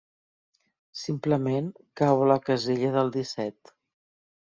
Simplement cau a la casella del disset.